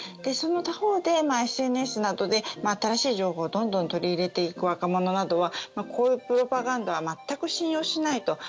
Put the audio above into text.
その他方でＳＮＳなどで新しい情報をどんどん取り入れていく若者などはこういうプロパガンダは全く信用しないと。